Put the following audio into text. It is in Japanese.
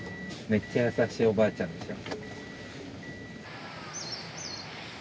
めっちゃ優しいおばあちゃんでしょ。